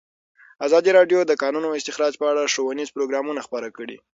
ازادي راډیو د د کانونو استخراج په اړه ښوونیز پروګرامونه خپاره کړي.